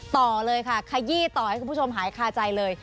ต่อเลยค่ะขยี้ต่อให้คุณผู้ชมหายคาใจเลย